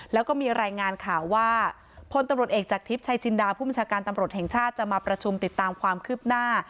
แล้วก็มีรายงานข่าวว่าพลตำรวจเอกจากทิพย์ชัยจินดาผู้บัญชาการตำรวจแห่งชาติจะมาประชุมติดตามความคืบหน้า